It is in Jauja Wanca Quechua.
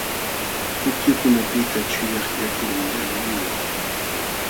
Pukyukunapiqta chuyaq yakun yalqamun.